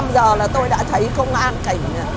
năm giờ là tôi đã thấy không an cảnh